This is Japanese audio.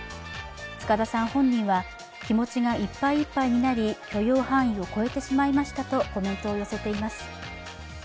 塚田さん本人は、気持ちがいっぱいいっぱいになり許容範囲を超えてしまいましたとコメントを寄せています。